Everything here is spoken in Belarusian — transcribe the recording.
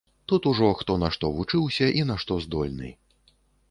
Тут ужо хто на што вучыўся і на што здольны.